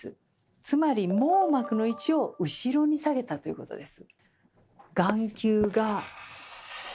つまり網膜の位置を後ろに下げたということです。